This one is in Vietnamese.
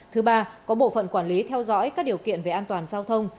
thứ ba có bộ phận quản lý theo dõi các điều kiện về an toàn giao thông